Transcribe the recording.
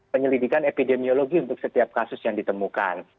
penyelidikan epidemiologi untuk setiap kasus yang ditemukan